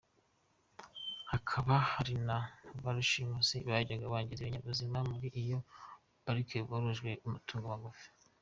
Hakaba hari na ba rushimusi bajyaga bangiza ibinyabuzima muri iyo Parike borojwe amatungo magufi.